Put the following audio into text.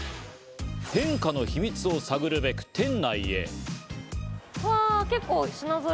変化の秘密を探るべく店内へ。